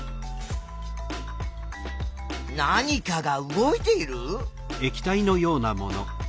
何かが動いている？